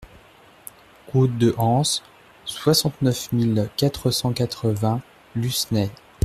Route de Anse, soixante-neuf mille quatre cent quatre-vingts Lucenay